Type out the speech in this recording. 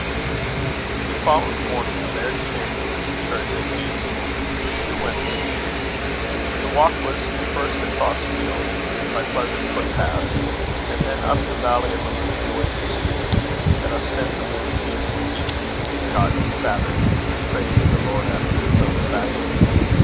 The following morning, the laird's family went to church as usual, and Hugh went with them. Their walk was first across fields, by pleasant footpaths; and then up the valley of a little noisy stream, that obstinately refused to keep Scotch Sabbath, praising the Lord after its own fashion.